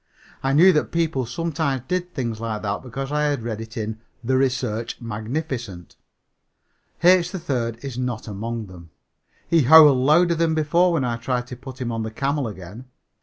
I knew that people sometimes did things like that because I had read it in The Research Magnificent. H. 3rd is not among them. He howled louder than before when I tried to put him on the camel again.